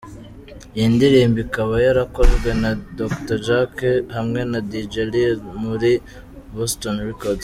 Iyi ndirimbo ikaba yarakozwe na Dr Jack hamwe na Dj lil muri Boston Records.